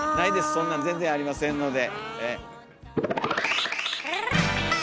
そんなん全然ありませんので。